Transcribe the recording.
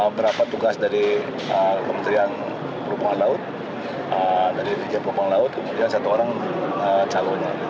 berapa tugas dari kementerian perluan laut dari jn perluan laut kemudian satu orang calonnya